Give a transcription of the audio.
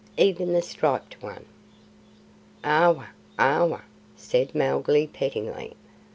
Even the Striped One " "Aowa! Aowa!" said Mowgli pettingly.